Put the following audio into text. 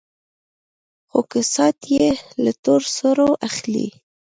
خو كسات يې له تور سرو اخلي.